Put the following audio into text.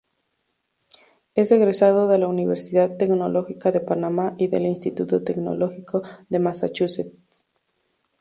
Es egresado de la Universidad Tecnológica de Panamá y del Instituto Tecnológico de Massachusetts.